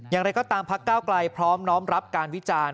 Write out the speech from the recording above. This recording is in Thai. อย่างไรก็ตามพักก้าวไกลพร้อมน้อมรับการวิจารณ์